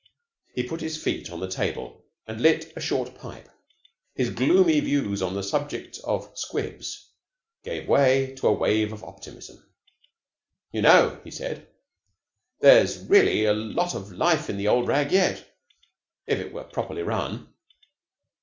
He put his feet on the table, and lit a short pipe. His gloomy views on the subject of 'Squibs' gave way to a wave of optimism. "You know," he said, "there's really a lot of life in the old rag yet. If it were properly run.